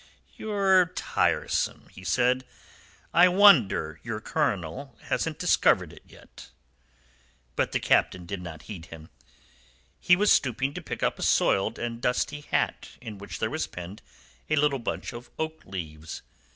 "You're tiresome," he said. "I wonder your colonel hasn't discovered it yet." But the Captain did not heed him. He was stooping to pick up a soiled and dusty hat in which there was pinned a little bunch of oak leaves.